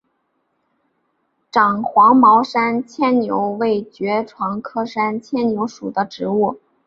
长黄毛山牵牛为爵床科山牵牛属的植物。